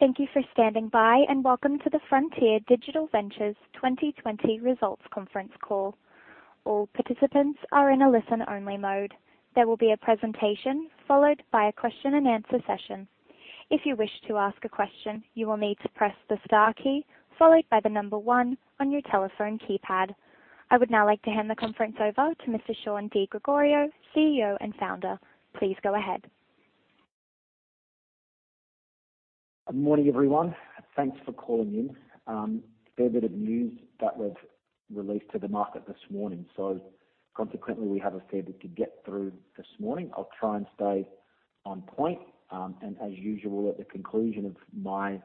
Thank you for standing by, and welcome to the Frontier Digital Ventures 2020 Results Conference Call. All participants are in a listen-only mode. There will be a presentation followed by a question-and-answer session. If you wish to ask a question, you will need to press the star key followed by the number one on your telephone keypad. I would now like to hand the conference over to Mr. Shaun Di Gregorio, CEO and founder. Please go ahead. Good morning, everyone. Thanks for calling in. A fair bit of news that was released to the market this morning. Consequently, we have a fair bit to get through this morning. I'll try and stay on point, and as usual, at the conclusion of my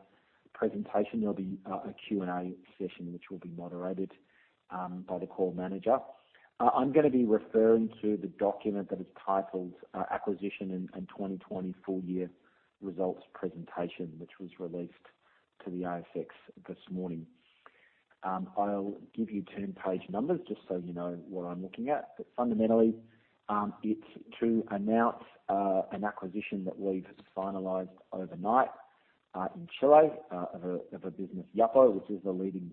presentation, there'll be a Q&A session, which will be moderated by the call manager. I'm going to be referring to the document that is titled, Acquisition and 2020 Full Year Results Presentation, which was released to the ASX this morning. I'll give you turn page numbers just so you know what I'm looking at. Fundamentally, it's to announce an acquisition that we've finalized overnight, in Chile, of a business, Yapo, which is the leading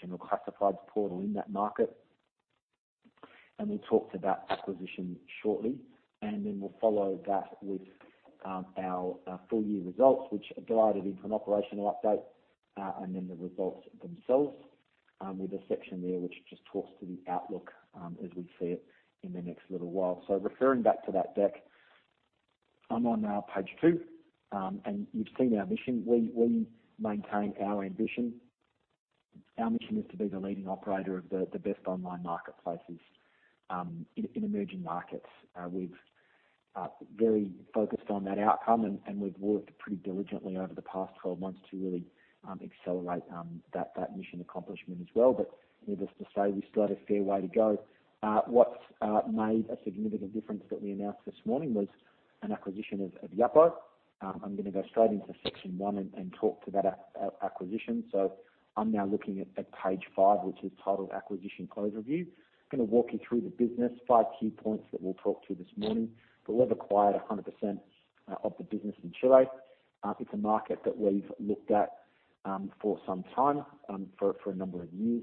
general classifieds portal in that market. We'll talk to that acquisition shortly. We'll follow that with our full-year results, which are divided into an operational update, and then the results themselves, with a section there which just talks to the outlook as we see it in the next little while. Referring back to that deck, I'm on now page two, and you've seen our mission. We maintain our ambition. Our mission is to be the leading operator of the best online marketplaces in emerging markets. We've very focused on that outcome, and we've worked pretty diligently over the past 12 months to really accelerate that mission accomplishment as well. Needless to say, we still have a fair way to go. What's made a significant difference that we announced this morning was an acquisition of Yapo. I'm going to go straight into section one and talk to that acquisition. I'm now looking at page five, which is titled Acquisition Overview. Going to walk you through the business. Five key points that we'll talk through this morning. We've acquired 100% of the business in Chile. It's a market that we've looked at for some time, for a number of years.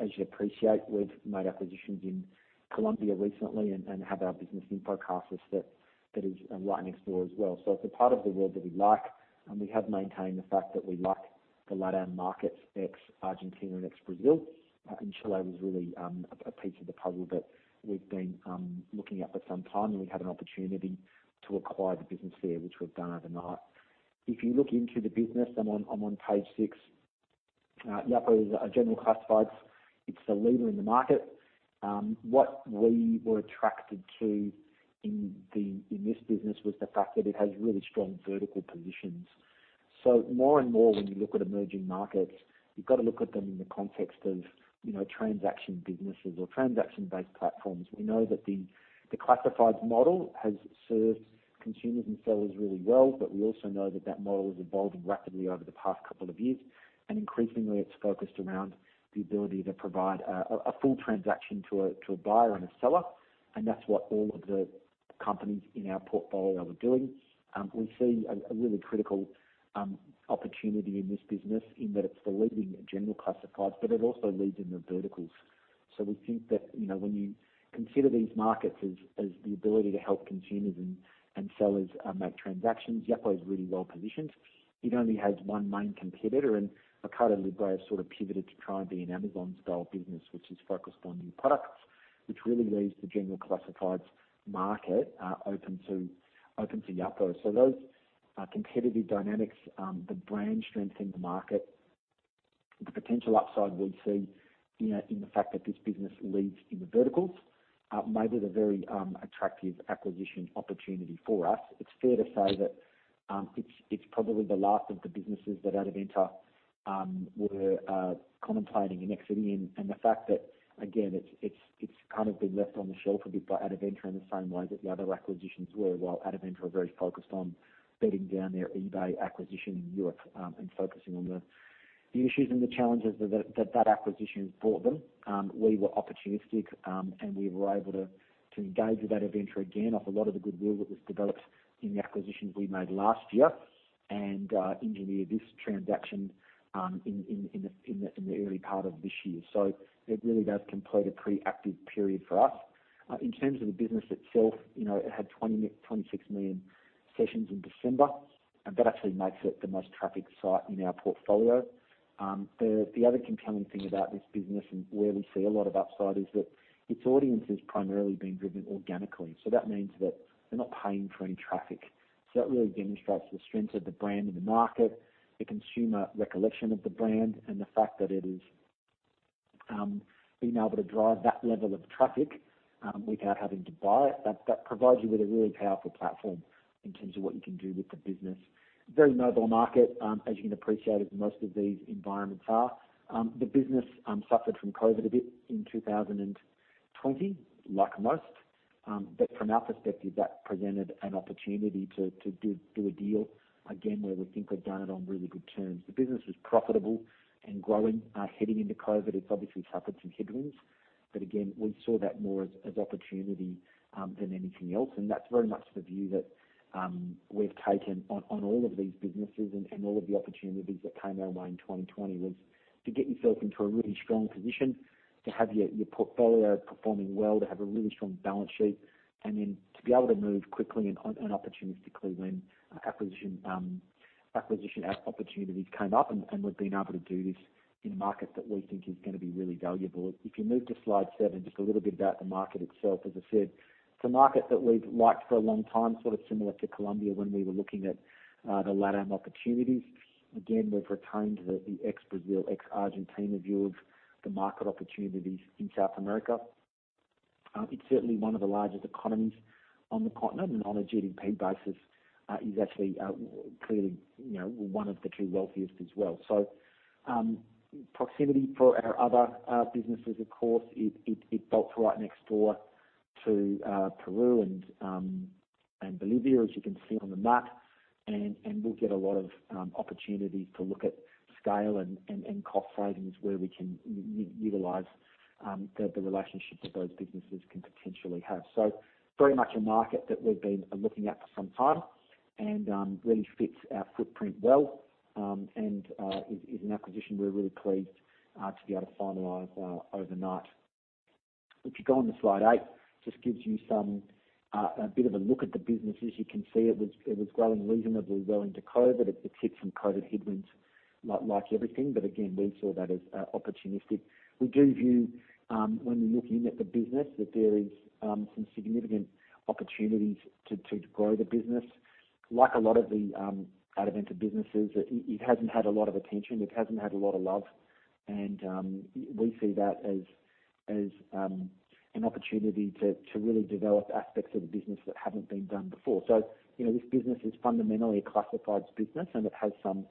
As you'd appreciate, we've made acquisitions in Colombia recently and have our business InfoCasas that is right next door as well. It's a part of the world that we like, and we have maintained the fact that we like the LatAm markets, ex Argentina and ex Brazil. Chile was really a piece of the puzzle that we've been looking at for some time, and we had an opportunity to acquire the business there, which we've done overnight. If you look into the business, I'm on page six. Yapo is a general classifieds. It's the leader in the market. What we were attracted to in this business was the fact that it has really strong vertical positions. More and more when you look at emerging markets, you've got to look at them in the context of transaction businesses or transaction-based platforms. We know that the classifieds model has served consumers and sellers really well, but we also know that that model has evolved rapidly over the past couple of years. Increasingly, it's focused around the ability to provide a full transaction to a buyer and a seller, and that's what all of the companies in our portfolio are doing. We see a really critical opportunity in this business in that it's the leading general classifieds, but it also leads in the verticals. We think that when you consider these markets as the ability to help consumers and sellers make transactions, Yapo is really well-positioned. It only has one main competitor, and Mercado Libre has sort of pivoted to try and be an Amazon-style business, which is focused on new products, which really leaves the general classifieds market open to Yapo. Those competitive dynamics, the brand strength in the market, the potential upside we see in the fact that this business leads in the verticals, made it a very attractive acquisition opportunity for us. It's fair to say that it's probably the last of the businesses that Adevinta were contemplating in exiting in. The fact that, again, it's kind of been left on the shelf a bit by Adevinta in the same way that the other acquisitions were while Adevinta are very focused on bedding down their eBay acquisition in Europe, and focusing on the issues and the challenges that that acquisition has brought them. We were opportunistic, and we were able to engage with Adevinta again off a lot of the goodwill that was developed in the acquisitions we made last year and engineer this transaction in the early part of this year. It really does complete a pretty active period for us. In terms of the business itself, it had 26 million sessions in December. That actually makes it the most trafficked site in our portfolio. The other compelling thing about this business and where we see a lot of upside is that its audience is primarily being driven organically. That means that they're not paying for any traffic. That really demonstrates the strength of the brand in the market, the consumer recollection of the brand, and the fact that it is being able to drive that level of traffic without having to buy it. That provides you with a really powerful platform in terms of what you can do with the business. Very niche market, as you can appreciate, as most of these environments are. The business suffered from COVID a bit in 2020, like most. From our perspective, that presented an opportunity to do a deal again where we think we've done it on really good terms. The business was profitable and growing heading into COVID. It's obviously suffered some headwinds. Again, we saw that more as opportunity than anything else. That's very much the view that we've taken on all of these businesses and all of the opportunities that came our way in 2020, was to get yourself into a really strong position, to have your portfolio performing well, to have a really strong balance sheet, and then to be able to move quickly and opportunistically when acquisition opportunities came up. We've been able to do this in a market that we think is going to be really valuable. If you move to slide seven, just a little bit about the market itself. As I said, it's a market that we've liked for a long time, sort of similar to Colombia when we were looking at the LATAM opportunities. Again, we've retained the ex-Brazil, ex-Argentina view of the market opportunities in South America. It's certainly one of the largest economies on the continent, and on a GDP basis, is actually clearly one of the two wealthiest as well. Proximity for our other businesses, of course, it bolts right next door to Peru and Bolivia, as you can see on the map, and we'll get a lot of opportunities to look at scale and cost savings where we can utilize the relationships that those businesses can potentially have. Very much a market that we've been looking at for some time and really fits our footprint well, and is an acquisition we're really pleased to be able to finalize overnight. If you go on to slide eight, just gives you a bit of a look at the business. As you can see, it was growing reasonably well into COVID. It took some COVID headwinds, like everything. Again, we saw that as opportunistic. We do view, when we're looking at the business, that there is some significant opportunities to grow the business. Like a lot of the Adevinta businesses, it hasn't had a lot of attention. It hasn't had a lot of love. We see that as an opportunity to really develop aspects of the business that haven't been done before. This business is fundamentally a classifieds business, and it has some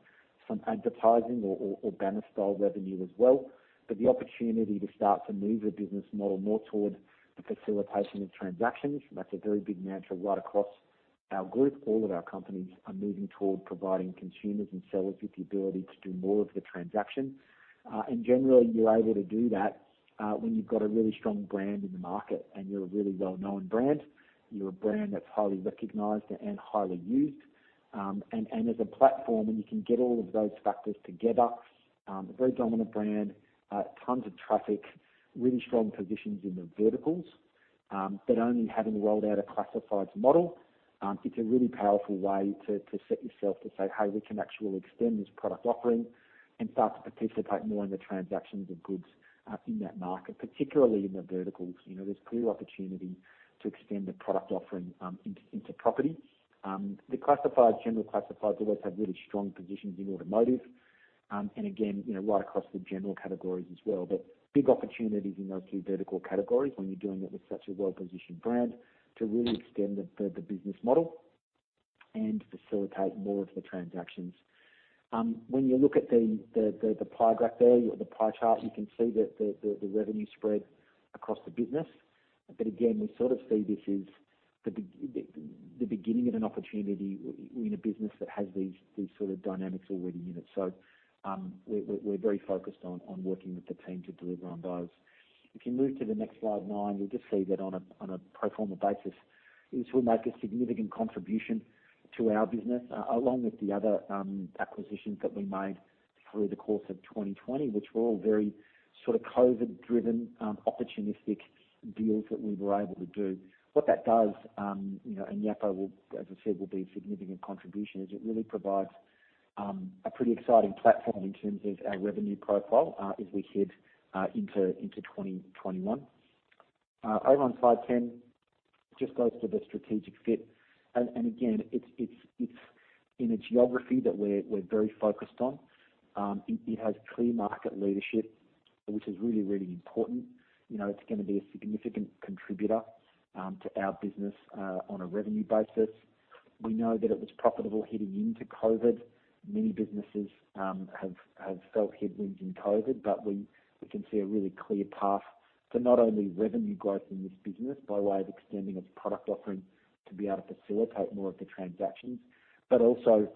advertising or banner-style revenue as well. The opportunity to start to move the business model more toward the facilitation of transactions, that's a very big mantra right across our group. All of our companies are moving toward providing consumers and sellers with the ability to do more of the transaction. Generally, you're able to do that when you've got a really strong brand in the market and you're a really well-known brand. You're a brand that's highly recognized and highly used. As a platform, you can get all of those factors together. A very dominant brand, tons of traffic, really strong positions in the verticals. Only having rolled out a classifieds model, it's a really powerful way to set yourself to say, "Hey, we can actually extend this product offering and start to participate more in the transactions of goods in that market," particularly in the verticals. There's clear opportunity to extend the product offering into property. The general classifieds always have really strong positions in automotive, and again, right across the general categories as well. Big opportunities in those two vertical categories when you're doing it with such a well-positioned brand to really extend the business model and facilitate more of the transactions. When you look at the pie graph there, or the pie chart, you can see the revenue spread across the business. Again, we sort of see this is the beginning of an opportunity in a business that has these sort of dynamics already in it. We're very focused on working with the team to deliver on those. If you move to the next slide nine, you'll just see that on a pro forma basis, this will make a significant contribution to our business, along with the other acquisitions that we made through the course of 2020, which were all very sort of COVID-driven, opportunistic deals that we were able to do. What that does, and Yapo, as I said, will be a significant contribution, is it really provides a pretty exciting platform in terms of our revenue profile as we head into 2021. Over on slide 10, just goes to the strategic fit. Again, it's in a geography that we're very focused on. It has clear market leadership, which is really important. It's going to be a significant contributor to our business on a revenue basis. We know that it was profitable heading into COVID. Many businesses have felt headwinds in COVID, but we can see a really clear path for not only revenue growth in this business by way of extending its product offering to be able to facilitate more of the transactions, but also,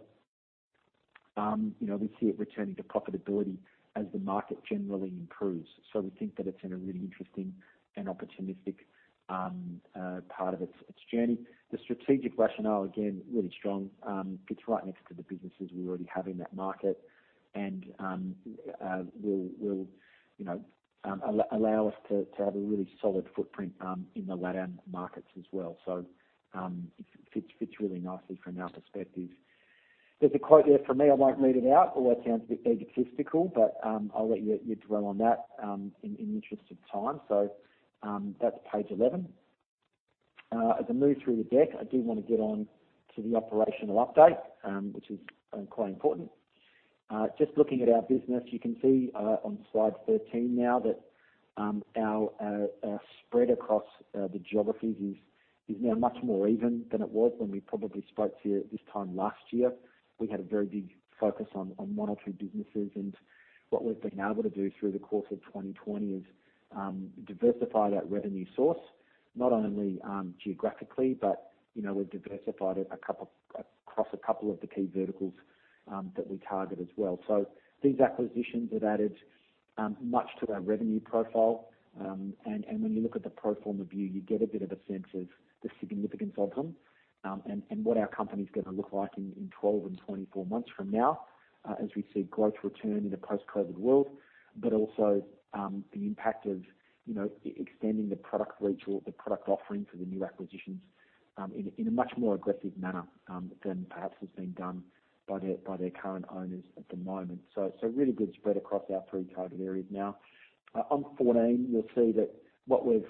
we see it returning to profitability as the market generally improves. We think that it's in a really interesting and opportunistic part of its journey. The strategic rationale, again, really strong. Fits right next to the businesses we already have in that market and will allow us to have a really solid footprint in the LATAM markets as well. It fits really nicely from our perspective. There's a quote there from me, I won't read it out or it sounds a bit egotistical, but I'll let you dwell on that in the interest of time. That's page 11. As I move through the deck, I do want to get on to the operational update, which is quite important. Just looking at our business, you can see on slide 13 now that our spread across the geographies is now much more even than it was when we probably spoke to you at this time last year. We had a very big focus on one or two businesses, and what we've been able to do through the course of 2020 is diversify that revenue source. Not only geographically, we've diversified it across a couple of the key verticals that we target as well. These acquisitions have added much to our revenue profile. When you look at the pro forma view, you get a bit of a sense of the significance of them, and what our company's going to look like in 12 and 24 months from now, as we see growth return in a post-COVID world. Also, the impact of extending the product reach or the product offering for the new acquisitions, in a much more aggressive manner than perhaps has been done by their current owners at the moment. Really good spread across our three target areas now. On 14, you'll see that what we've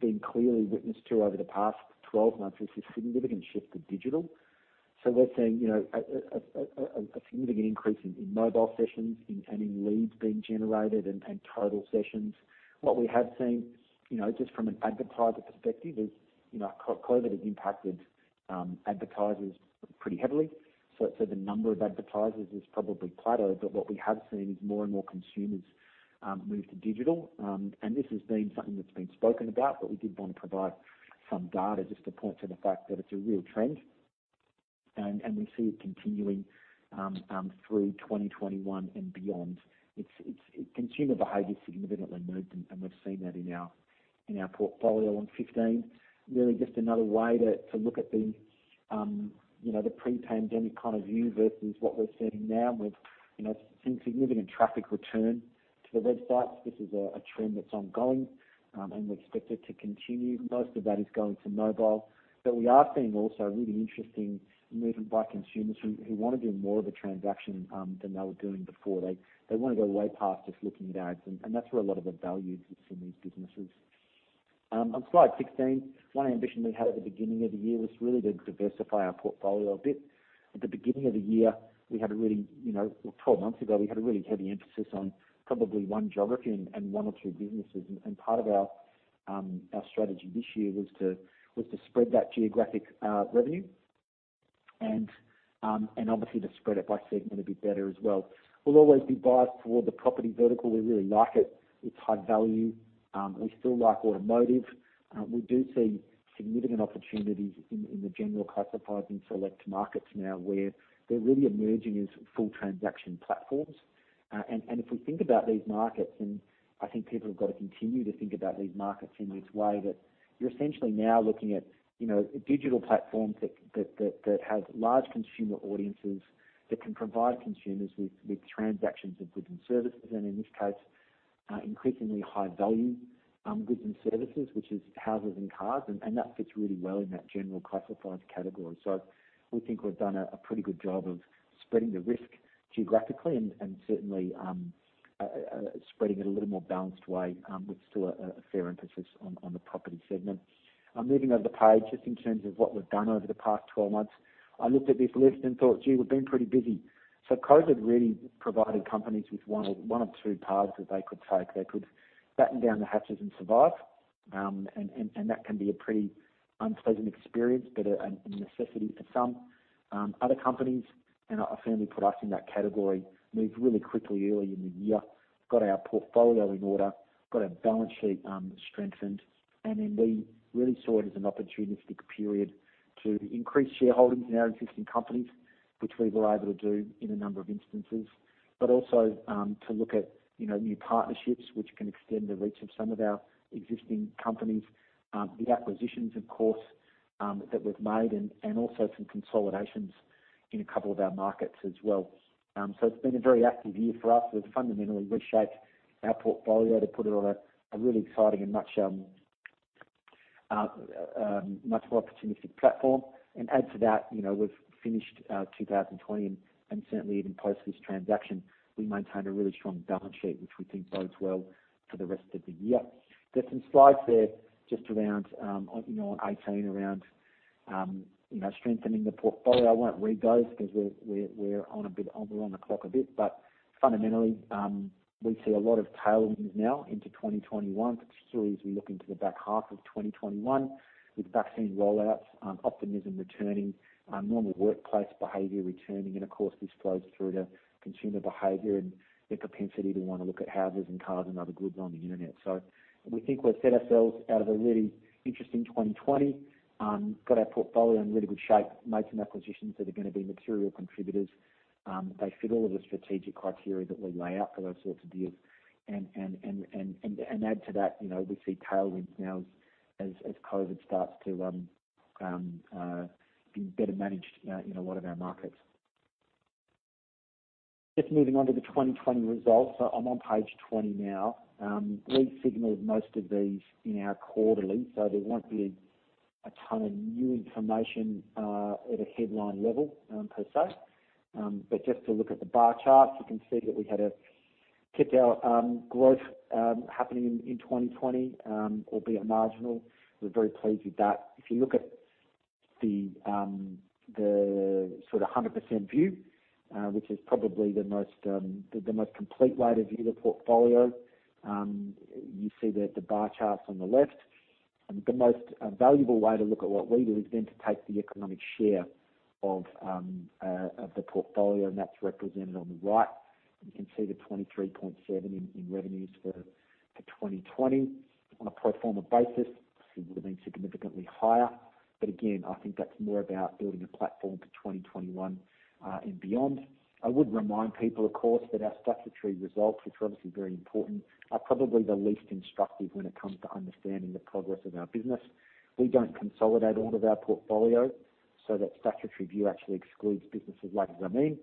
been clearly witness to over the past 12 months is this significant shift to digital. We're seeing a significant increase in mobile sessions and in leads being generated and total sessions. What we have seen, just from an advertiser perspective is, COVID has impacted advertisers pretty heavily. The number of advertisers is probably plateaued, but what we have seen is more and more consumers move to digital. This has been something that's been spoken about, but we did want to provide some data just to point to the fact that it's a real trend, and we see it continuing through 2021 and beyond. Consumer behavior significantly moved, and we've seen that in our portfolio on 15. Really just another way to look at the pre-pandemic kind of view versus what we're seeing now with seeing significant traffic return to the websites. This is a trend that's ongoing, and we expect it to continue. Most of that is going to mobile. We are seeing also really interesting movement by consumers who want to do more of a transaction than they were doing before. They want to go way past just looking at ads, and that's where a lot of the value sits in these businesses. On slide 16, one ambition we had at the beginning of the year was really to diversify our portfolio a bit. At the beginning of the year, 12 months ago, we had a really heavy emphasis on probably one geography and one or two businesses. Part of our strategy this year was to spread that geographic revenue, and obviously to spread it by segment a bit better as well. We'll always be biased toward the property vertical. We really like it. It's high value. We still like automotive. We do see significant opportunities in the general classifieds in select markets now where they're really emerging as full transaction platforms. If we think about these markets, and I think people have got to continue to think about these markets in this way, that you're essentially now looking at digital platforms that have large consumer audiences that can provide consumers with transactions of goods and services. In this case, increasingly high value goods and services, which is houses and cars. That fits really well in that general classifieds category. We think we've done a pretty good job of spreading the risk geographically and certainly spreading it a little more balanced way, with still a fair emphasis on the property segment. Moving over the page, just in terms of what we've done over the past 12 months, I looked at this list and thought, "Gee, we've been pretty busy." COVID really provided companies with one of two paths that they could take. They could batten down the hatches and survive, and that can be a pretty unpleasant experience, but a necessity for some. Other companies, and I firmly put us in that category, moved really quickly early in the year, got our portfolio in order, got our balance sheet strengthened. Then we really saw it as an opportunistic period to increase shareholdings in our existing companies, which we were able to do in a number of instances. Also to look at new partnerships which can extend the reach of some of our existing companies. The acquisitions, of course, that we've made and also some consolidations in a couple of our markets as well. It's been a very active year for us. We've fundamentally reshaped our portfolio to put it on a really exciting and much more opportunistic platform. Add to that, we've finished 2020, and certainly even post this transaction, we maintained a really strong balance sheet, which we think bodes well for the rest of the year. There's some slides there, on 18, around strengthening the portfolio. I won't read those because we're on the clock a bit. Fundamentally, we see a lot of tailwinds now into 2021, particularly as we look into the back half of 2021 with vaccine rollouts, optimism returning, normal workplace behavior returning, and of course this flows through to consumer behavior and their propensity to want to look at houses and cars and other goods on the internet. We think we've set ourselves out of a really interesting 2020, got our portfolio in really good shape, made some acquisitions that are going to be material contributors. They fit all of the strategic criteria that we lay out for those sorts of deals. Add to that, we see tailwinds now as COVID starts to be better managed in a lot of our markets. Just moving on to the 2020 results. I'm on page 20 now. We signaled most of these in our quarterly, so there won't be a ton of new information at a headline level per se. Just to look at the bar charts, you can see that we kept our growth happening in 2020, albeit marginal. We're very pleased with that. If you look at the sort of 100% view, which is probably the most complete way to view the portfolio, you see the bar charts on the left. The most valuable way to look at what we do is then to take the economic share of the portfolio, and that's represented on the right. You can see the 23.7 in revenues for 2020 on a pro forma basis, obviously would've been significantly higher. Again, I think that's more about building a platform for 2021 and beyond. I would remind people, of course, that our statutory results, which are obviously very important, are probably the least instructive when it comes to understanding the progress of our business. We don't consolidate all of our portfolio, so that statutory view actually excludes businesses like Zameen,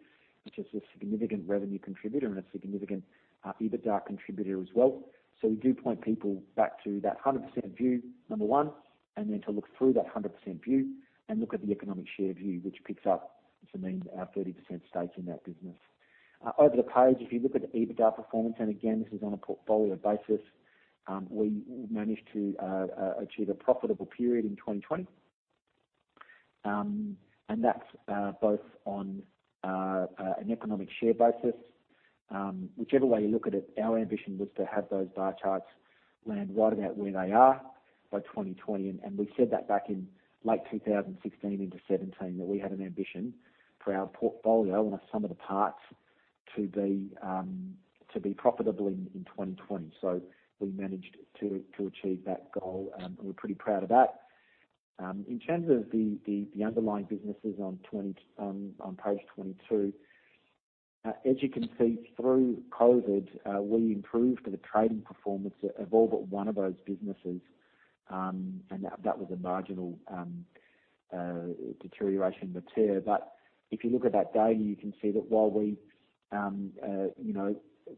which is a significant revenue contributor and a significant EBITDA contributor as well. We do point people back to that 100% view, number one, and then to look through that 100% view and look at the economic share view, which picks up Zameen, our 30% stakes in that business. Over the page, if you look at the EBITDA performance, and again, this is on a portfolio basis, we managed to achieve a profitable period in 2020. That's both on an economic share basis. Whichever way you look at it, our ambition was to have those bar charts land right about where they are by 2020. We said that back in late 2016 into 2017, that we had an ambition for our portfolio on a sum of the parts to be profitable in 2020. We managed to achieve that goal, and we're pretty proud of that. In terms of the underlying businesses on page 22, as you can see through COVID, we improved the trading performance of all but one of those businesses. That was a marginal deterioration in the year. If you look at that data, you can see that while we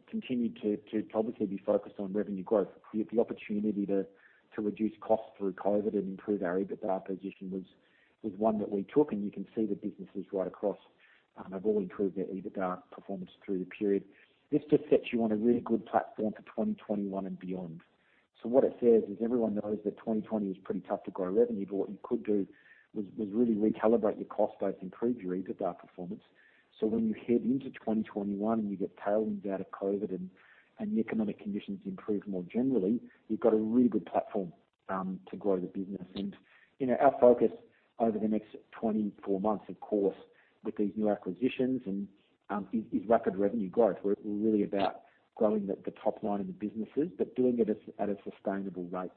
continued to obviously be focused on revenue growth, the opportunity to reduce costs through COVID and improve our EBITDA position was one that we took, and you can see the businesses right across have all improved their EBITDA performance through the period. This just sets you on a really good platform for 2021 and beyond. What it says is everyone knows that 2020 was pretty tough to grow revenue, but what you could do was really recalibrate your cost base, improve your EBITDA performance. When you head into 2021 and you get tailwinds out of COVID and the economic conditions improve more generally, you've got a really good platform to grow the business. Our focus over the next 24 months, of course, with these new acquisitions and rapid revenue growth. We're really about growing the top line of the businesses, but doing it at a sustainable rate.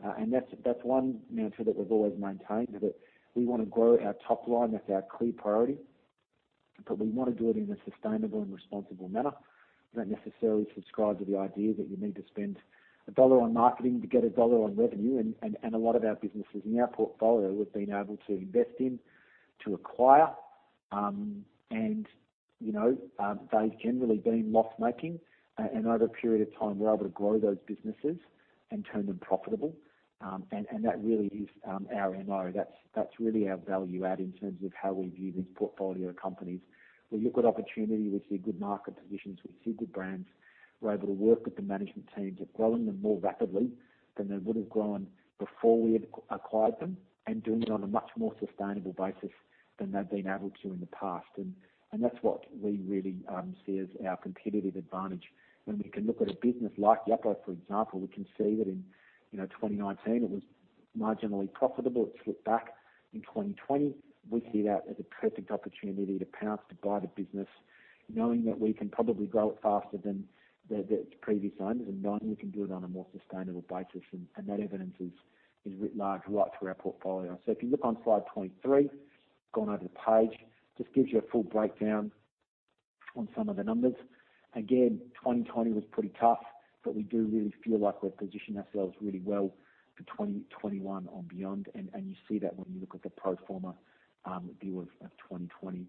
That's one mantra that we've always maintained, that we want to grow our top line. That's our key priority, but we want to do it in a sustainable and responsible manner. We don't necessarily subscribe to the idea that you need to spend $1 on marketing to get $1 on revenue, and a lot of our businesses in our portfolio we've been able to invest in, to acquire, and they've generally been loss-making. Over a period of time, we're able to grow those businesses and turn them profitable. That really is our MO. That's really our value add in terms of how we view this portfolio of companies. We look at opportunity, we see good market positions, we see good brands. We're able to work with the management teams at growing them more rapidly than they would've grown before we had acquired them, and doing it on a much more sustainable basis than they've been able to in the past. That's what we really see as our competitive advantage. When we can look at a business like Yapo, for example, we can see that in 2019 it was marginally profitable. It slipped back in 2020. We see that as a perfect opportunity to pounce, to buy the business, knowing that we can probably grow it faster than its previous owners, and knowing we can do it on a more sustainable basis. That evidence is writ large right through our portfolio. If you look on slide 23, gone over the page, just gives you a full breakdown on some of the numbers. Again, 2020 was pretty tough, but we do really feel like we've positioned ourselves really well for 2021 on beyond, and you see that when you look at the pro forma view of 2020.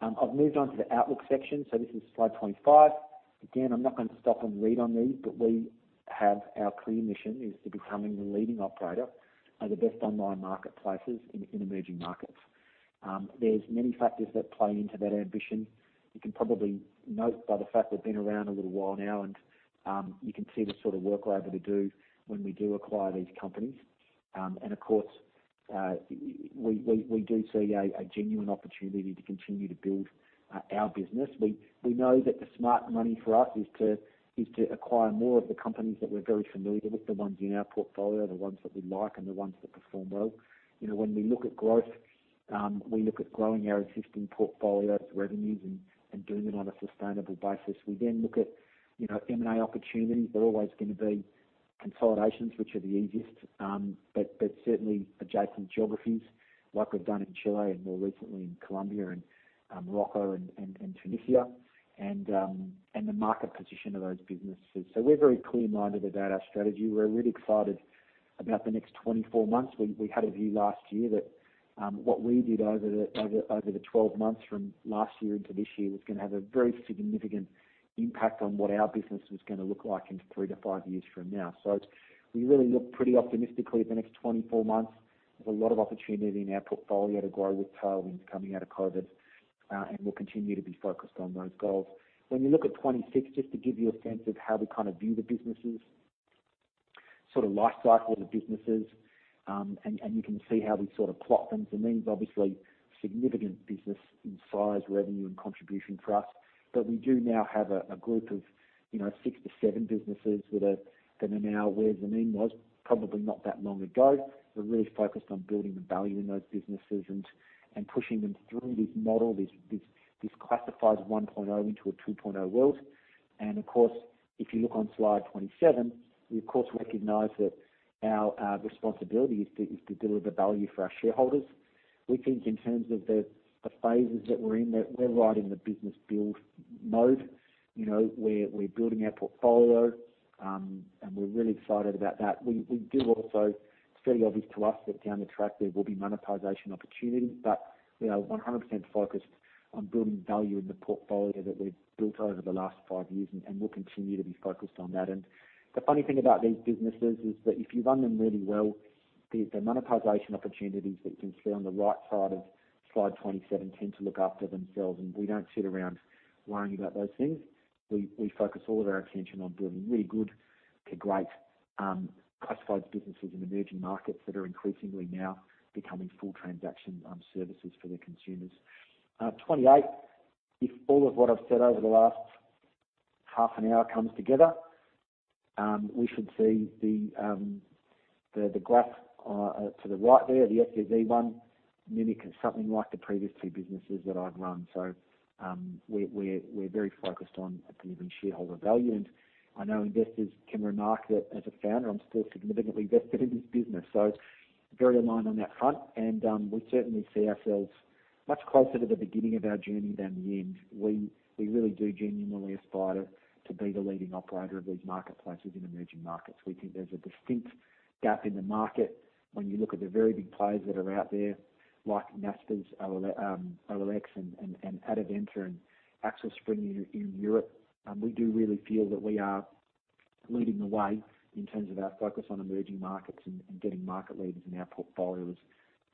I've moved on to the outlook section, so this is slide 25. Again, I'm not going to stop and read on these, but we have our clear mission is to becoming the leading operator of the best online marketplaces in emerging markets. There's many factors that play into that ambition. You can probably note by the fact we've been around a little while now, and you can see the sort of work we're able to do when we do acquire these companies. Of course, we do see a genuine opportunity to continue to build our business. We know that the smart money for us is to acquire more of the companies that we're very familiar with, the ones in our portfolio, the ones that we like, and the ones that perform well. When we look at growth, we look at growing our existing portfolio's revenues and doing it on a sustainable basis. We then look at M&A opportunities. They're always going to be consolidations, which are the easiest, but certainly adjacent geographies like we've done in Chile and more recently in Colombia and Morocco and Tunisia, and the market position of those businesses. We're very clear-minded about our strategy. We're really excited about the next 24 months. We had a view last year that what we did over the 12 months from last year into this year was going to have a very significant impact on what our business was going to look like in three to five years from now. We really look pretty optimistically at the next 24 months. There's a lot of opportunity in our portfolio to grow with tailwinds coming out of COVID, and we'll continue to be focused on those goals. When you look at 2026, just to give you a sense of how we view the businesses, sort of life cycles of businesses. You can see how we plot things. Zameen is obviously a significant business in size, revenue, and contribution for us. We do now have a group of six to seven businesses that are now where Zameen was, probably not that long ago. We're really focused on building the value in those businesses and pushing them through this model, this classifieds 1.0 into a 2.0 world. Of course, if you look on slide 27, we of course recognize that our responsibility is to deliver value for our shareholders. We think in terms of the phases that we're in, that we're right in the business build mode. We're building our portfolio, and we're really excited about that. It's fairly obvious to us that down the track there will be monetization opportunities, but we are 100% focused on building value in the portfolio that we've built over the last five years, and we'll continue to be focused on that. The funny thing about these businesses is that if you run them really well, the monetization opportunities that you can see on the right side of slide 27 tend to look after themselves, and we don't sit around worrying about those things. We focus all of our attention on building really good to great classifieds businesses in emerging markets that are increasingly now becoming full transaction services for their consumers. 28, if all of what I've said over the last half an hour comes together, we should see the graph to the right there, the FDV one, mimic something like the previous two businesses that I've run. We're very focused on giving shareholder value. I know investors can remark that as a founder, I'm still significantly invested in this business. Very aligned on that front. We certainly see ourselves much closer to the beginning of our journey than the end. We really do genuinely aspire to be the leading operator of these marketplaces in emerging markets. We think there's a distinct gap in the market when you look at the very big players that are out there, like Naspers, OLX, and Adevinta and Axel Springer in Europe. We do really feel that we are leading the way in terms of our focus on emerging markets and getting market leaders in our portfolios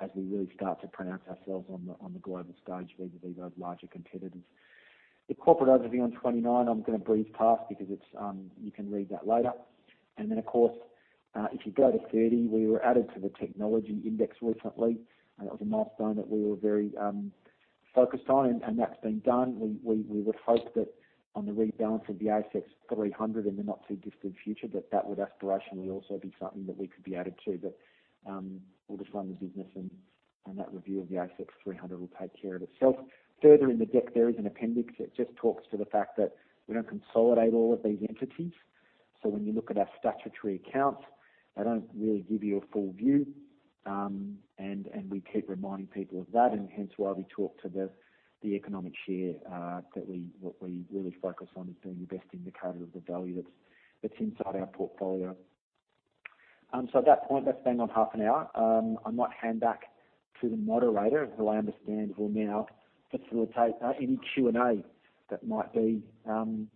as we really start to pronounce ourselves on the global stage vis-a-vis those larger competitors. The corporate overview on 29, I'm going to breeze past because you can read that later. Of course, if you go to 30, we were added to the technology index recently. That was a milestone that we were very focused on, and that's been done. We would hope that on the rebalance of the ASX 300 in the not-too-distant future, that that would aspirationally also be something that we could be added to. We'll just run the business, and that review of the ASX 300 will take care of itself. Further in the deck, there is an appendix that just talks to the fact that we don't consolidate all of these entities. When you look at our statutory accounts, they don't really give you a full view, and we keep reminding people of that and hence why we talk to the economic share that what we really focus on as being the best indicator of the value that's inside our portfolio. At that point, that's bang on half an hour. I might hand back to the moderator, who I understand will now facilitate any Q&A that might be on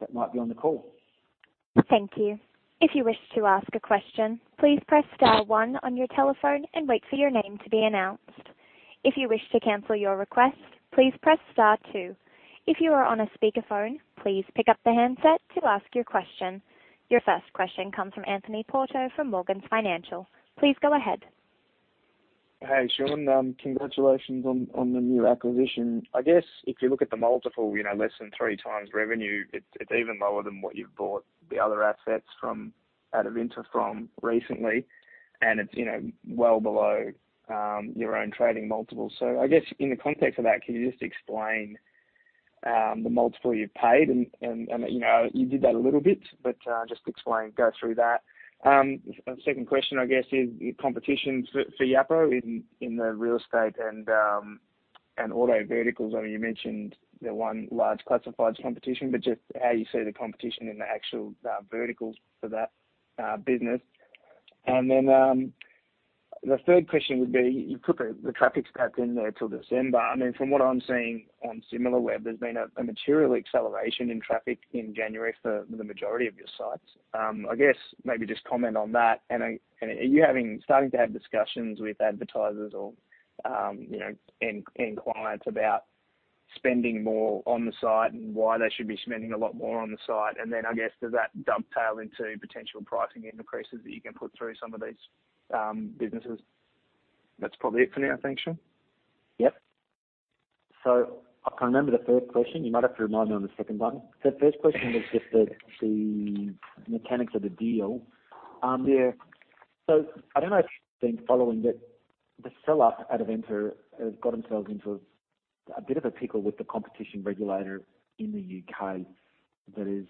the call. Thank you. If you wish to ask a question, please press star one on your telephone and wait for your name to be announced. If you wish to cancel your request, please press star two. If you are on a speakerphone, please pick up the handset to ask your question. Your first question comes from Anthony Porto from Morgans Financial. Please go ahead. Hey, Shaun. Congratulations on the new acquisition. I guess if you look at the multiple, less than 3x revenue, it's even lower than what you've bought the other assets from Adevinta from recently, and it's well below your own trading multiple. I guess in the context of that, can you just explain the multiple you paid and, you did that a little bit, but just explain, go through that. Second question, I guess is competition for Yapo in the real estate and auto verticals. I mean, you mentioned the one large classifieds competition, but just how you see the competition in the actual verticals for that business. The third question would be, you put the traffic stats in there till December. I mean, from what I'm seeing on Similarweb, there's been a material acceleration in traffic in January for the majority of your sites. I guess maybe just comment on that. Are you starting to have discussions with advertisers or inquiries about spending more on the site and why they should be spending a lot more on the site? Then I guess, does that dovetail into potential pricing increases that you can put through some of these businesses? That's probably it for now, thanks, Shaun. Yep. I can remember the first question. You might have to remind me on the second one. The first question was just the mechanics of the deal. I don't know if you've been following that the seller, Adevinta, has got themselves into a bit of a pickle with the competition regulator in the U.K. that is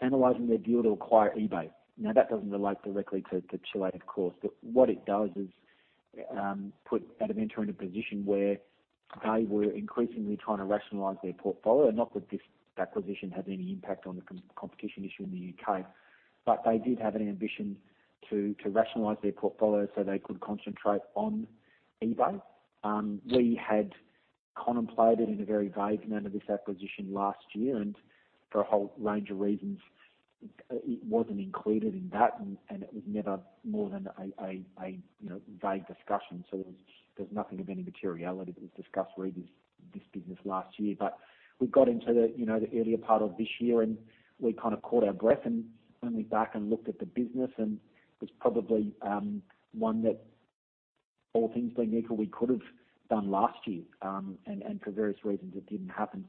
analyzing their deal to acquire eBay. That doesn't relate directly to Chile, of course, but what it does is put Adevinta in a position where they were increasingly trying to rationalize their portfolio. Not that this acquisition had any impact on the competition issue in the U.K. They did have an ambition to rationalize their portfolio so they could concentrate on eBay. We had contemplated in a very vague manner this acquisition last year, and for a whole range of reasons. It wasn't included in that, and it was never more than a vague discussion. There's nothing of any materiality that was discussed re this business last year. We got into the earlier part of this year, and we kind of caught our breath and went back and looked at the business, and it was probably one that, all things being equal, we could have done last year, and for various reasons, it didn't happen.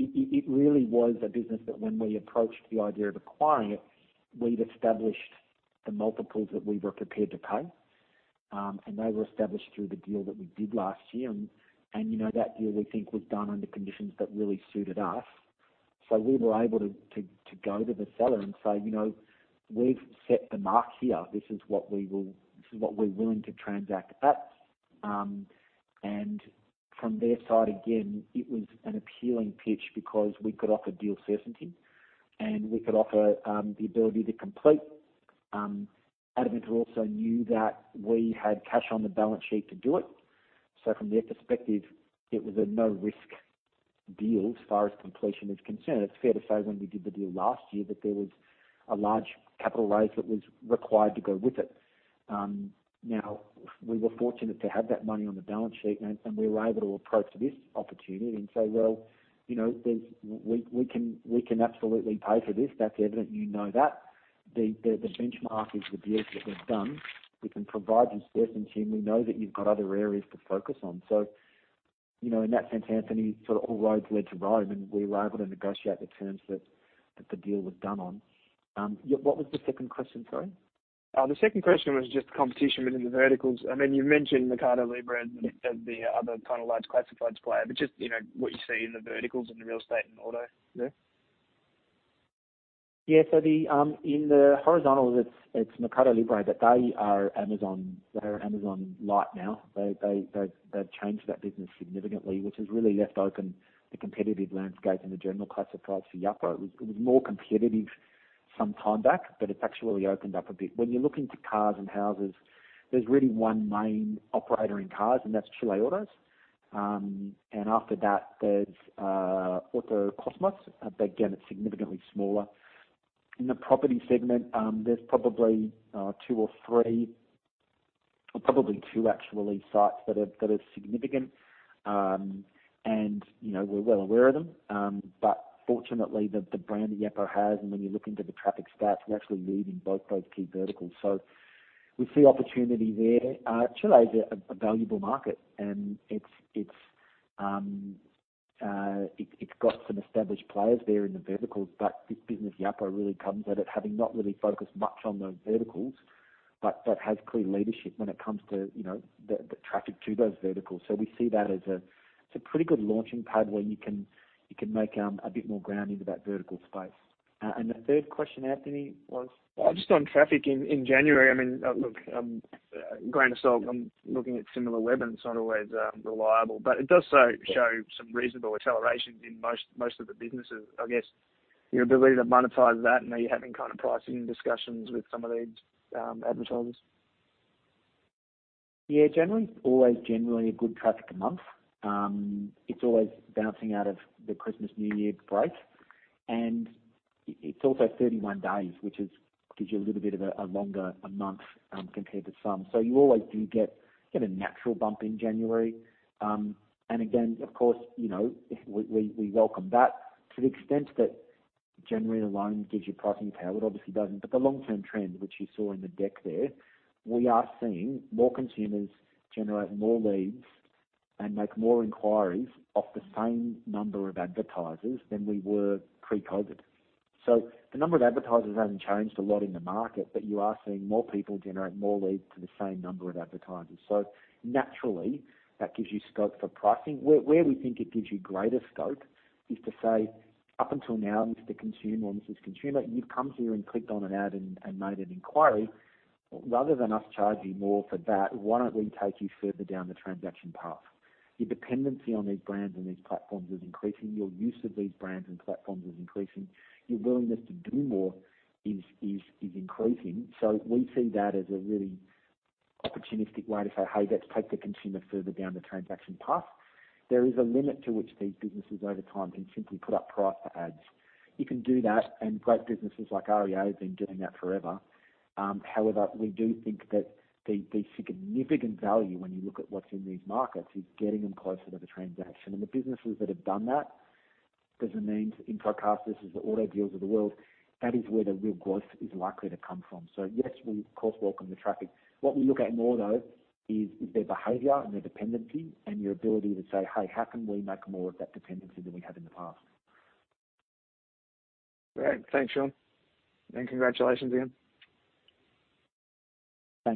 It really was a business that when we approached the idea of acquiring it, we'd established the multiples that we were prepared to pay, and they were established through the deal that we did last year. That deal we think was done under conditions that really suited us. We were able to go to the seller and say, "We've set the mark here. This is what we're willing to transact at." From their side, again, it was an appealing pitch because we could offer deal certainty and we could offer the ability to complete. Adevinta also knew that we had cash on the balance sheet to do it. From their perspective, it was a no-risk deal as far as completion is concerned. It's fair to say when we did the deal last year, that there was a large capital raise that was required to go with it. We were fortunate to have that money on the balance sheet, and we were able to approach this opportunity and say, "Well, we can absolutely pay for this. That's evident, you know that. The benchmark is the deals that we've done. We can provide you certainty, and we know that you've got other areas to focus on. " In that sense, Anthony, all roads led to Rome, and we were able to negotiate the terms that the deal was done on. What was the second question, sorry? The second question was just the competition within the verticals. You mentioned Mercado Libre as the other large classifieds player, just what you see in the verticals, in the real estate and auto there. In the horizontal, it's Mercado Libre, they are Amazon Lite now. They've changed that business significantly, which has really left open the competitive landscape in the general classifieds for Yapo. It was more competitive some time back, it's actually opened up a bit. When you look into cars and houses, there's really one main operator in cars, that's Chileautos. After that, there's Autocosmos. Again, it's significantly smaller. In the property segment, there's probably two or three, or probably two actually, sites that are significant. We're well aware of them. Fortunately, the brand that Yapo has, and when you look into the traffic stats, we're actually leading both those key verticals. We see opportunity there. Chile is a valuable market, and it's got some established players there in the verticals, but this business, Yapo, really comes at it having not really focused much on those verticals, but has clear leadership when it comes to the traffic to those verticals. We see that as a pretty good launching pad where you can make a bit more ground into that vertical space. The third question, Anthony, was? Just on traffic in January. Look, grain of salt, I'm looking at Similarweb and it's not always reliable, but it does show some reasonable accelerations in most of the businesses. I guess, your ability to monetize that, and are you having pricing discussions with some of these advertisers? Yeah. January's always generally a good traffic month. It's always bouncing out of the Christmas, New Year break. It's also 31 days, which gives you a little bit of a longer a month compared to some. You always do get a natural bump in January. Again, of course, we welcome that to the extent that January alone gives you pricing power. It obviously doesn't. The long-term trend, which you saw in the deck there, we are seeing more consumers generate more leads and make more inquiries off the same number of advertisers than we were pre-COVID. The number of advertisers hasn't changed a lot in the market, but you are seeing more people generate more leads for the same number of advertisers. Naturally, that gives you scope for pricing. Where we think it gives you greater scope is to say, "Up until now, Mr. Consumer or Mrs. Consumer, you've come here and clicked on an ad and made an inquiry. Rather than us charge you more for that, why don't we take you further down the transaction path?" Your dependency on these brands and these platforms is increasing. Your use of these brands and platforms is increasing. Your willingness to do more is increasing. We see that as a really opportunistic way to say, "Hey, let's take the consumer further down the transaction path." There is a limit to which these businesses over time can simply put up price for ads. You can do that, and great businesses like REA have been doing that forever. However, we do think that the significant value when you look at what's in these markets is getting them closer to the transaction. The businesses that have done that, Zameen InfoCasas, this is the AutoDeal of the world, that is where the real growth is likely to come from. Yes, we of course welcome the traffic. What we look at more, though, is their behavior and their dependency and your ability to say, "Hey, how can we make more of that dependency than we have in the past? Great. Thanks, Shaun, and congratulations again.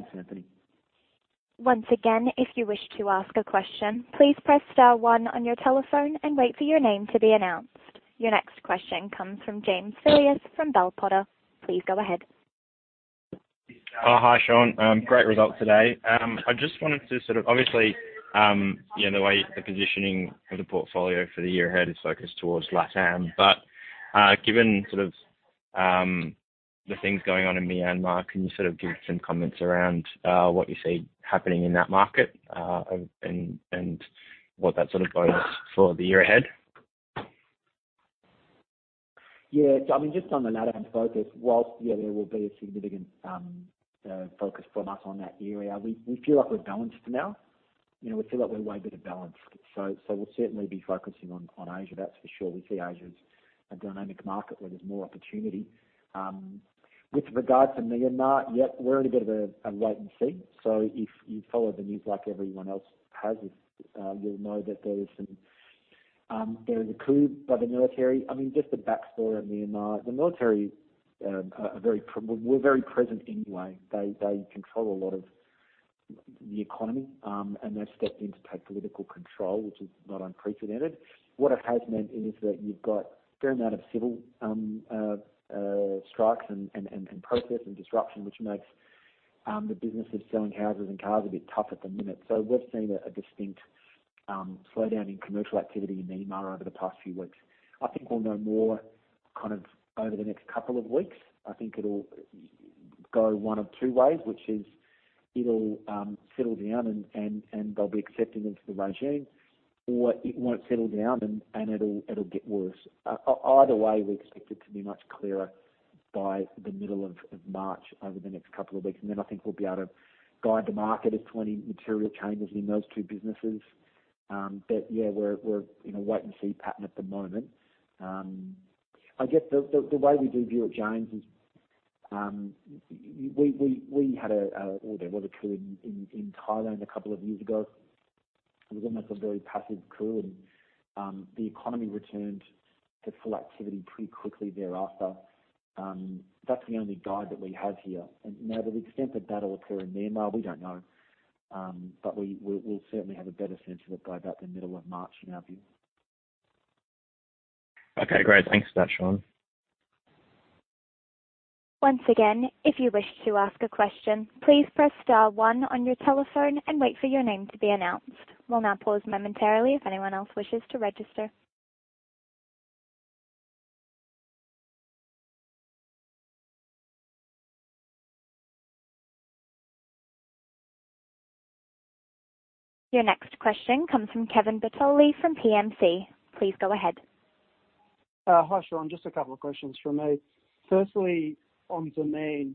Thanks, Anthony. Your next question comes from James Filius from Bell Potter. Please go ahead. Hi, Shaun. Great result today. I just wanted to obviously, the way the positioning of the portfolio for the year ahead is focused towards LatAm. Given the things going on in Myanmar, can you give some comments around what you see happening in that market, and what that bodes for the year ahead? Yeah. Just on the LatAm focus, whilst there will be a significant focus from us on that area, we feel like we're balanced for now. We feel like we're way better balanced. We'll certainly be focusing on Asia, that's for sure. We see Asia as a dynamic market where there's more opportunity. With regard to Myanmar, yeah, we're in a bit of a wait and see. If you follow the news like everyone else has, you'll know that there is a coup by the military. Just a backstory on Myanmar. The military, were very present anyway. They control a lot of the economy, and they've stepped in to take political control, which is not unprecedented. What it has meant is that you've got a fair amount of civil strikes and protest and disruption, which makes the business of selling houses and cars a bit tough at the minute. We've seen a distinct slowdown in commercial activity in Myanmar over the past few weeks. I think we'll know more over the next couple of weeks. I think it'll go one of two ways, which is it'll settle down, and they'll be accepting into the regime, or it won't settle down, and it'll get worse. Either way, we expect it to be much clearer by the middle of March, over the next couple of weeks. Then I think we'll be able to guide the market if there are any material changes in those two businesses. Yeah, we're in a wait and see pattern at the moment. I guess, the way we do view it, James, is Well, there was a coup in Thailand a couple of years ago. It was almost a very passive coup, and the economy returned to full activity pretty quickly thereafter. That's the only guide that we have here. Now to the extent that that'll occur in Myanmar, we don't know. We'll certainly have a better sense of it by about the middle of March, in our view. Okay, great. Thanks for that, Shaun. Once again, if you wish to ask a question, please press star one on your telephone and wait for your name to be announced. We'll now pause momentarily if anyone else wishes to register. Your next question comes from Kevin Bertoli from PM Capital. Please go ahead. Hi, Shaun. Just a couple of questions from me. Firstly, on Zameen,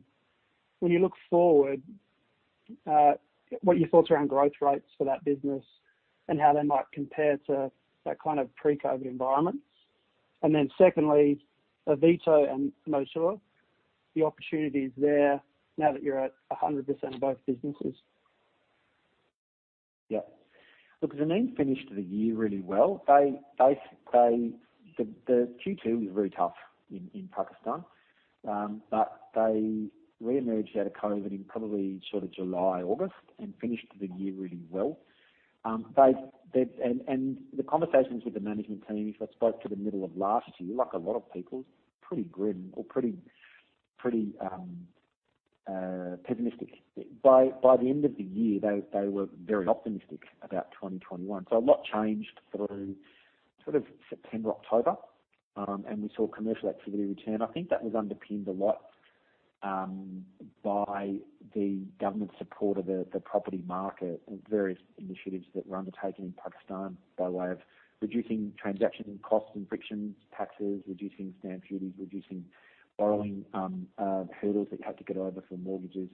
when you look forward, what are your thoughts around growth rates for that business and how they might compare to that pre-COVID environment? Secondly, Avito and Moteur, the opportunities there now that you're at 100% in both businesses. Look, Zameen finished the year really well. The Q2 was very tough in Pakistan, but they reemerged out of COVID in probably July, August, and finished the year really well. The conversations with the management team, if I spoke to the middle of last year, like a lot of people, pretty grim or pretty pessimistic. By the end of the year, they were very optimistic about 2021. A lot changed through September, October, and we saw commercial activity return. I think that was underpinned a lot by the government support of the property market and various initiatives that were undertaken in Pakistan by way of reducing transaction costs and friction, taxes, reducing stamp duties, reducing borrowing hurdles they had to get over for mortgages,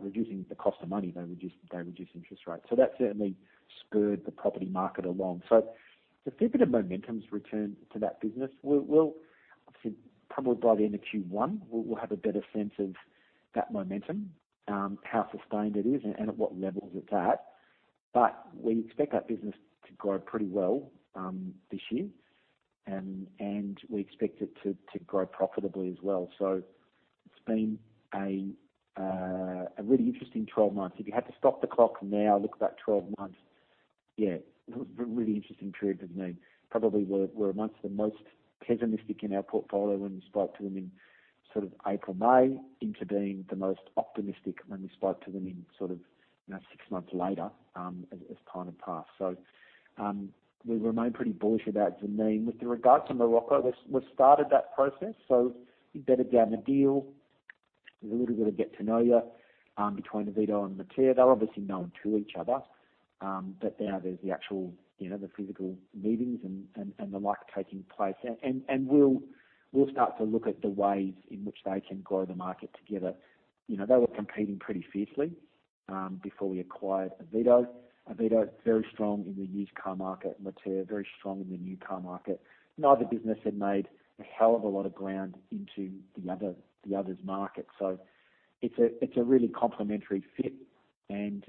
reducing the cost of money. They reduced interest rates. That certainly spurred the property market along. A fair bit of momentum's returned to that business. Obviously, probably by the end of Q1, we'll have a better sense of that momentum, how sustained it is, and at what levels it's at. We expect that business to grow pretty well this year, and we expect it to grow profitably as well. It's been a really interesting 12 months. If you had to stop the clock now, look back 12 months, yeah, really interesting period with Zameen. Probably were amongst the most pessimistic in our portfolio when we spoke to them in April, May, into being the most optimistic when we spoke to them six months later, as time had passed. We remain pretty bullish about Zameen. With regards to Morocco, we've started that process. We bedded down the deal. There's a little bit of get to know you between Avito and Moteur. They'll obviously known to each other, but now there's the actual physical meetings and the like taking place. We'll start to look at the ways in which they can grow the market together. They were competing pretty fiercely before we acquired Avito. Avito is very strong in the used car market. Moteur, very strong in the new car market. Neither business had made a hell of a lot of ground into the other's market. It's a really complementary fit, and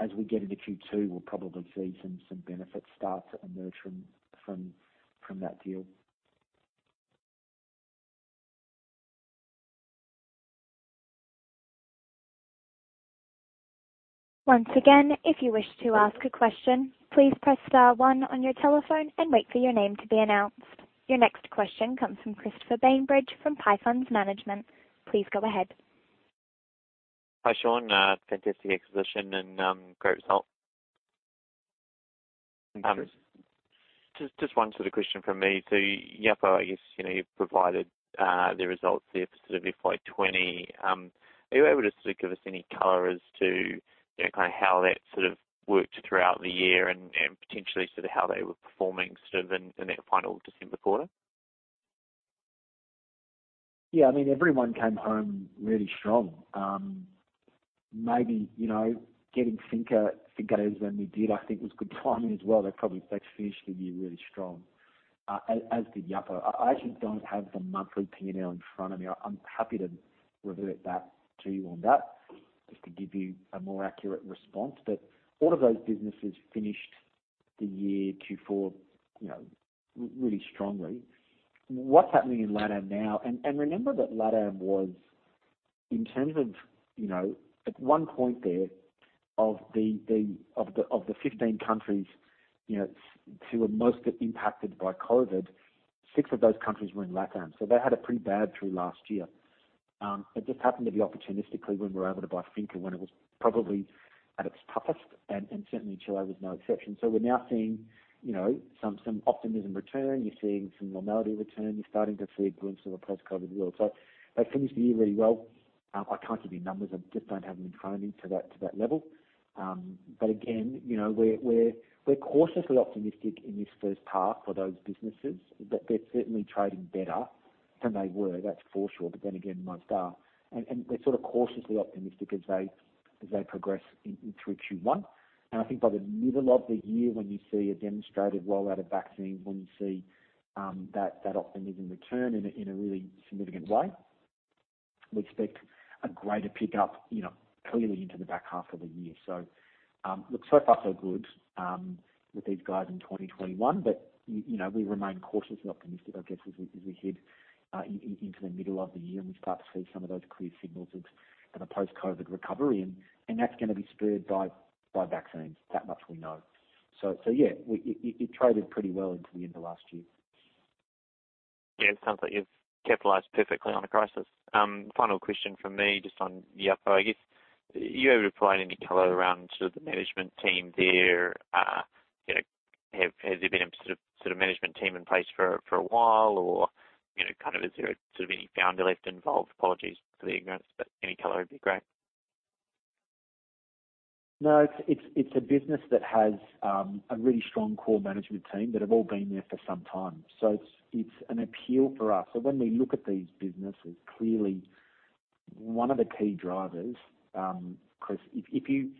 as we get into Q2, we'll probably see some benefits start to emerge from that deal. Once again, if you wish to ask a question, please press star one on your telephone and wait for your name to be announced. Your next question comes from Chris Bainbridge of Pie Funds Management. Please go ahead. Hi, Shaun. Fantastic exposition and great result. Thank you. Just one question from me. Yapo, I guess, you've provided the results there for FY 2020. Are you able to just give us any color as to how that worked throughout the year and potentially how they were performing in that final December quarter? Yeah, everyone came home really strong. Maybe getting Fincaraíz to go when we did, I think was good timing as well. They probably finished the year really strong, as did Yapo. I actually don't have the monthly P&L in front of me. I'm happy to revert that to you on that, just to give you a more accurate response. All of those businesses finished the year Q4 really strongly. Remember that LATAM was at one point there, of the 15 countries who were most impacted by COVID, six of those countries were in LATAM. They had it pretty bad through last year. It just happened to be opportunistically when we were able to buy Fincaraíz, when it was probably at its toughest, and certainly Chile was no exception. We're now seeing some optimism return. You're seeing some normality return. You're starting to see glimmers of a post-COVID world. They finished the year really well. I can't give you numbers. I just don't have them in front of me to that level. Again, we're cautiously optimistic in this first half for those businesses. That they're certainly trading better than they were, that's for sure. Again, most are. We're cautiously optimistic as they progress through Q1. I think by the middle of the year, when you see a demonstrated rollout of vaccines, when you see that optimism return in a really significant way, we expect a greater pickup clearly into the back half of the year. So far so good with these guys in 2021. We remain cautiously optimistic, I guess, as we head into the middle of the year and we start to see some of those clear signals of the post-COVID recovery. That's going to be spurred by vaccines, that much we know. Yeah, it traded pretty well into the end of last year. Yeah, it sounds like you've capitalized perfectly on a crisis. Final question from me, just on Yapo, I guess. You ever provide any color around the management team there? Has there been a management team in place for a while? Or is there any founder left involved? Apologies for the ignorance, but any color would be great. It's a business that has a really strong core management team that have all been there for some time. It's an appeal for us. When we look at these businesses, clearly one of the key drivers, Chris, if you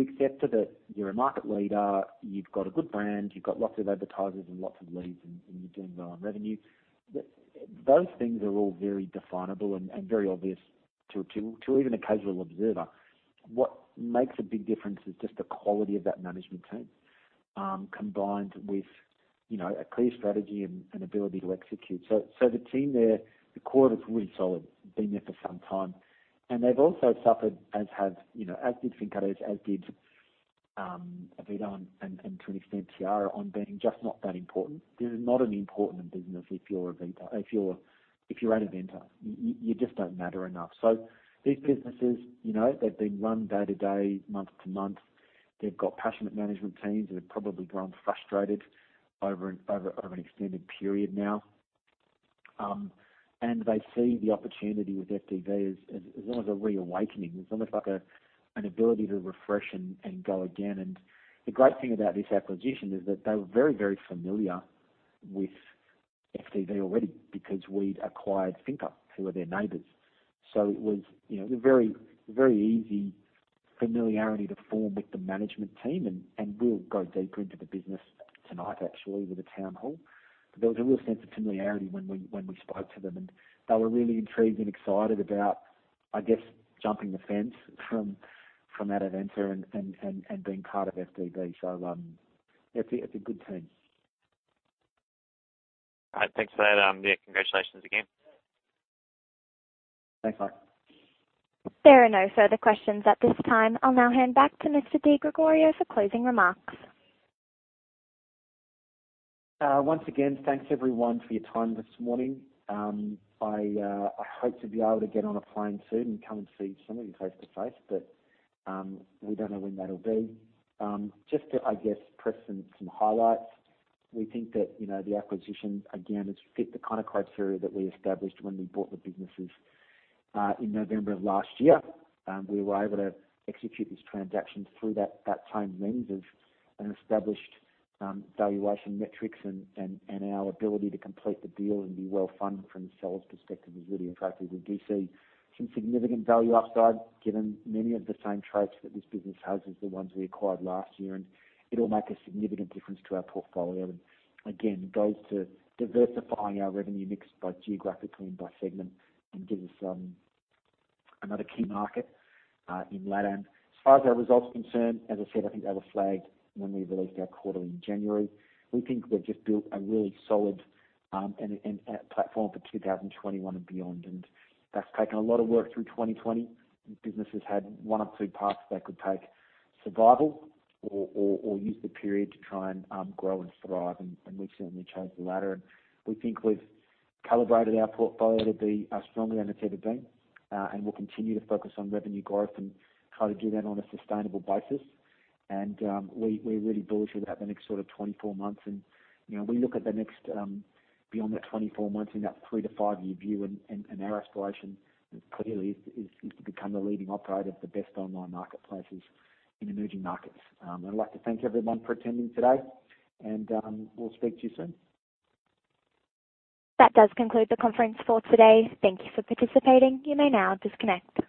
accepted that you're a market leader, you've got a good brand, you've got lots of advertisers and lots of leads, and you're doing well on revenue. Those things are all very definable and very obvious to even a casual observer. What makes a big difference is just the quality of that management team, combined with a clear strategy and ability to execute. The team there, the core of it's really solid, been there for some time. They've also suffered as did Finca, as did Adevinta and to an extent, Tayara, on being just not that important. You're not an important business if you're an Adevinta. You just don't matter enough. These businesses, they've been run day to day, month to month. They've got passionate management teams that have probably grown frustrated over an extended period now. They see the opportunity with FDV as almost a reawakening. It's almost like an ability to refresh and go again. The great thing about this acquisition is that they were very, very familiar with FDV already because we'd acquired Finca, who are their neighbors. It was a very easy familiarity to form with the management team. We'll go deeper into the business tonight, actually, with a town hall. There was a real sense of familiarity when we spoke to them, and they were really intrigued and excited about, I guess, jumping the fence from Adevinta and being part of FDV. It's a good team. All right. Thanks for that. Yeah, congratulations again. Thanks much. There are no further questions at this time. I'll now hand back to Mr. Di Gregorio for closing remarks. Once again, thanks everyone for your time this morning. I hope to be able to get on a plane soon and come and see some of you face to face, but, we don't know when that'll be. Just to, I guess, press on some highlights. We think that the acquisition, again, has fit the kind of criteria that we established when we bought the businesses in November of last year. We were able to execute these transactions through that same lens of an established valuation metrics and our ability to complete the deal and be well-funded from the seller's perspective is really attractive. We do see some significant value upside, given many of the same traits that this business has as the ones we acquired last year. It'll make a significant difference to our portfolio. Again, goes to diversifying our revenue mix both geographically and by segment, and gives us another key market in LATAM. As far as our results are concerned, as I said, I think they were flagged when we released our quarterly in January. We think we've just built a really solid platform for 2021 and beyond, and that's taken a lot of work through 2020. Businesses had one of two paths they could take, survival or use the period to try and grow and thrive, and we've certainly chose the latter. We think we've calibrated our portfolio to be stronger than it's ever been. We'll continue to focus on revenue growth and how to do that on a sustainable basis. We're really bullish about the next sort of 24 months. We look at the next, beyond that 24 months in that three to five-year view and our aspiration clearly is to become the leading operator of the best online marketplaces in emerging markets. I'd like to thank everyone for attending today, and we'll speak to you soon. That does conclude the conference call today. Thank you for participating. You may now disconnect.